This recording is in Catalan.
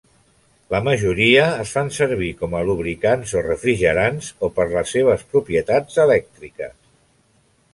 La majoria es fan servir com lubricants o refrigerants o per les seves propietats elèctriques.